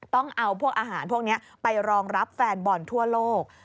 ต้องเอาพวกอาหารพวกนี้ไปรองรับแฟนบอลทั่วโลก